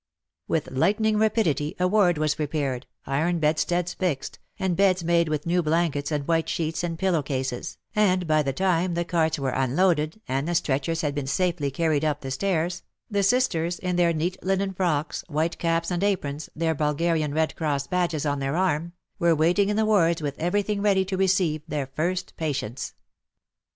With lightning rapidity a ward was pre pared, iron bedsteads fixed, and beds made with new blankets and white sheets and pillow cases, and by the time the carts were unloaded and the stretchers had been safely carried up the stairs, the sisters, in their neat linen frocks, white caps and aprons, their Bulgarian Red Cross badges on their arms, were waiting in the wards with everything ready to receive their first patients.